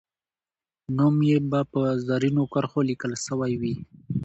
نوم یې به په زرینو کرښو لیکل سوی وي.